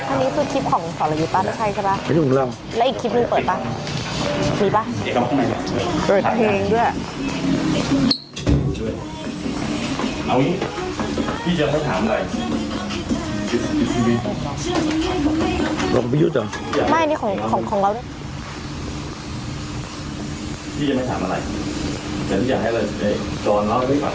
อันนี้คือคลิปของสรรยุปะไม่ใช่ใช่ปะ